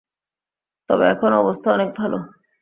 তবে এখন অবস্থা অনেক ভালো।